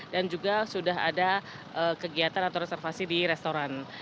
dan juga sudah ada kegiatan atau reservasi di restoran